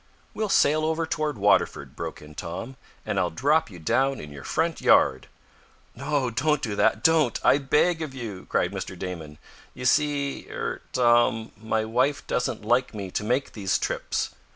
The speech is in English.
"We'll sail over toward Waterford," broke in Tom, "and I'll drop you down in your front yard." "No, don't do that! Don't! I beg of you!" cried Mr. Damon. "You see er Tom, my wife doesn't like me to make these trips.